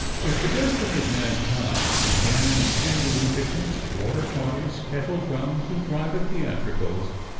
If the destiny of mankind began and ended in picnics, water parties, kettledrums, and private theatricals, Mm.